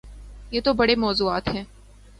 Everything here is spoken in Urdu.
یہ تو بڑے موضوعات ہیں۔